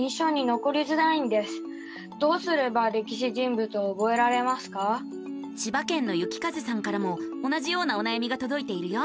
ぼくは千葉県のゆきかぜさんからも同じようなおなやみがとどいているよ。